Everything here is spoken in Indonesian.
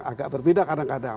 agak berbeda kadang kadang